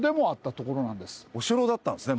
お城だったんですね。